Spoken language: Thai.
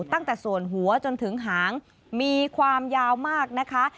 ตั้งแต่ส่วนหัวจนถึงหางมีความยาวมากนะคะ